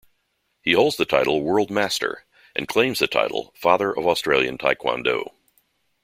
He holds the title 'World Master' and claims the title 'Father of Australian Taekwondo.